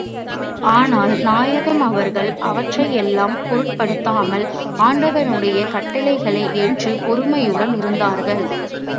ஆனால், நாயகம் அவர்கள் அவற்றை எல்லாம் பொருட்படுத்தாமல், ஆண்டவனுடைய கட்டளையை ஏற்றுப் பொறுமையுடன் இருந்தார்கள்.